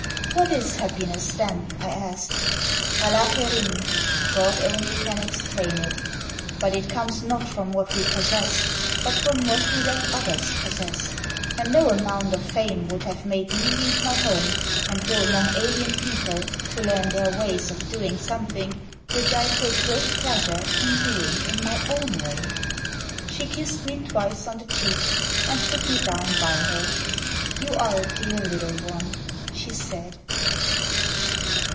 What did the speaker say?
" "What is happiness, then?" I asked. "Allah kerim [God only can explain it]. But it comes not from what we possess, but from what we let others possess; and no amount of fame would have made me leave my home and go among alien people to learn their ways of doing something which I take great pleasure in doing in my own way." She kissed me twice on the cheek and put me down by her. "You are a dear little one," she said.